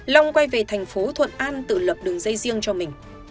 long quay về thành phố thuận an tự lập đường dây riêng cho mình